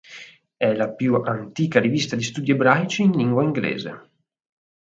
È la più antica rivista di studi ebraici in lingua inglese.